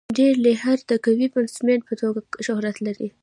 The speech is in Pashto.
ډیرن لیهر د قوي بيټسمېن په توګه شهرت لري.